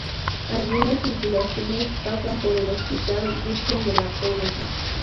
Algunas circulaciones pasan por el Hospital Virgen de la Poveda.